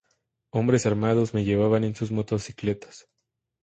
Hombres armados me llevaban en sus motocicletas.